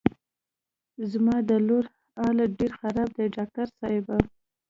زما د لور حال ډېر خراب دی ډاکټر صاحب.